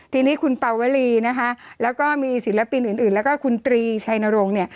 ทีนี้คุณปาววลีนิดหนึ่งนะคะแล้วก็มีศิลปินอื่นแล้วก็คุณตรีชายนโรง